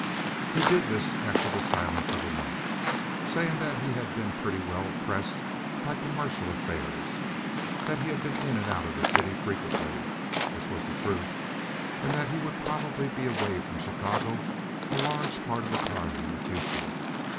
He did this after the silence of a month, saying that he had been pretty well pressed by commercial affairs, that he had been in and out of the city frequently (which was the truth), and that he would probably be away from Chicago a large part of the time in the future.